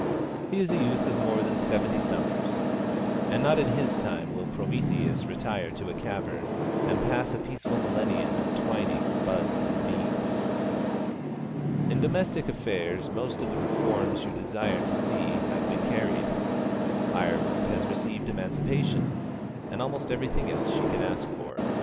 he is a youth of more than seventy summers; and not in his time will Prometheus retire to a cavern and pass a peaceful millennium in twining buds and beams. In domestic affairs most of the Reforms you desired to see have been carried. Ireland has received Emancipation, and almost everything else she can ask for.